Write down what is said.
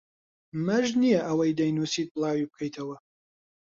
مەرج نییە ئەوەی دەینووسیت بڵاوی بکەیتەوە